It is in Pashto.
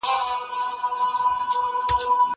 زه به سبا د کتابتوننۍ سره مرسته وکړم؟!